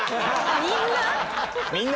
みんな？